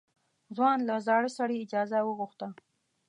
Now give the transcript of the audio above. ځوان له زاړه سړي اجازه وغوښته.